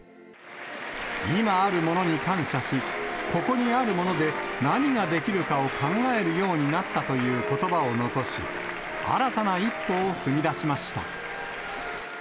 今あるものに感謝し、ここにあるもので何ができるかを考えるようになったということばを残し、新たな一歩を踏み出しました。